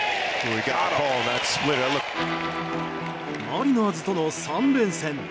マリナーズとの３連戦。